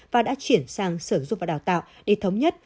và đã chuyển sang sở dục và đào tạo để thống nhất